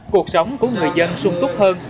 cuộc sống của người dân sung túc hơn